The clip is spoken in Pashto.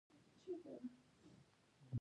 خاوره د افغان کورنیو د دودونو یو مهم عنصر دی.